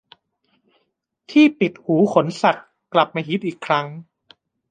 ที่ปิดหูขนสัตว์กลับมาฮิตอีกครั้ง